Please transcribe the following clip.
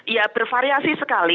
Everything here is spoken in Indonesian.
ya bervariasi sekali